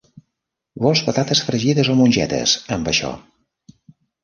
Vols patates fregides o mongetes amb això?